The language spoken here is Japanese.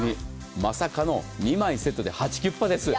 まさかの２枚セットでハチキュッパです。